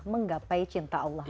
menggapai cinta allah